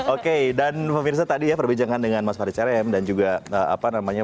oke dan pemirsa tadi ya perbincangan dengan mas faris rm dan juga mbak ari